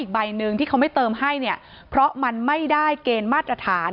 ใบหนึ่งที่เขาไม่เติมให้เนี่ยเพราะมันไม่ได้เกณฑ์มาตรฐาน